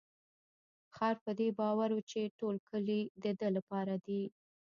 خر په دې باور و چې ټول کلي د ده لپاره دی.